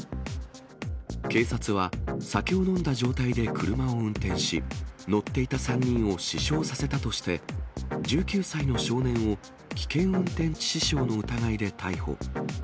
警察は、酒を飲んだ状態で車を運転し、乗っていた３人を死傷させたとして、１９歳の少年を危険運転致死傷の疑いで逮捕。